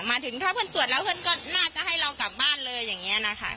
มาถึงถ้าเพื่อนตรวจแล้วเพื่อนก็น่าจะให้เรากลับบ้านเลยอย่างนี้นะคะ